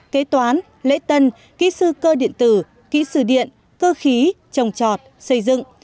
kế toán lễ tân kỹ sư cơ điện tử kỹ sư điện cơ khí trồng trọt xây dựng